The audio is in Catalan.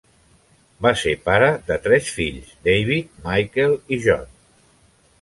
Va ser pare de tres fills: David, Michael i John.